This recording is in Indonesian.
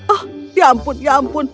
oh ya ampun ya ampun